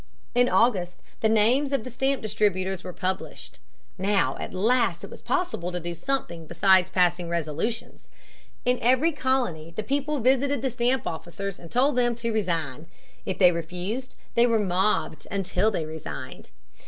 In August the names of the stamp distributers were published. Now at last it was possible to do something besides passing resolutions. In every colony the people visited the stamp officers and told them to resign. If they refused, they were mobbed until they resigned.